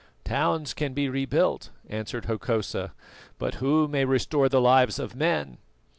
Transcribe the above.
"Towns can be rebuilt," answered Hokosa, "but who may restore the lives of men?"